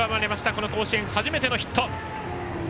この甲子園、初めてのヒット。